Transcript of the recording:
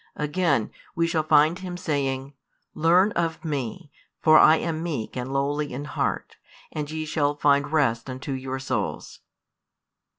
Again, we shall find Him saying: Learn of Me; for I am meek and lowly in heart; and ye shall find rest unto your souls.